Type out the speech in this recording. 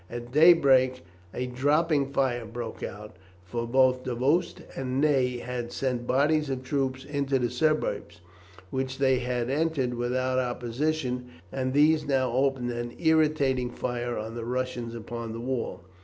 At daybreak a dropping fire broke out, for both Davoust and Ney had sent bodies of troops into the suburbs, which they had entered without opposition, and these now opened an irritating fire on the Russians upon the wall.